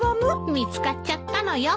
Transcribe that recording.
見つかっちゃったのよ。